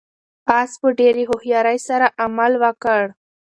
آس په ډېرې هوښیارۍ سره عمل وکړ.